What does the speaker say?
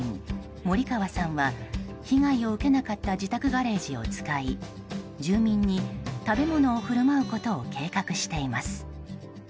モリカワさんは被害を受けなかった自宅ガレージを使い住民に食べ物を振る舞うことを計画しています。